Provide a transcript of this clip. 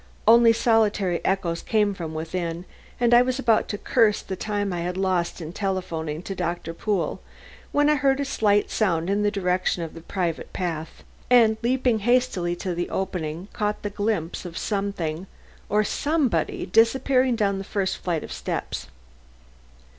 Only solitary echoes came from within and I was about to curse the time I had lost in telephoning to Doctor Pool, when I heard a slight sound in the direction of the private path, and, leaping hastily to the opening, caught the glimpse of something or somebody disappearing down the first flight of steps.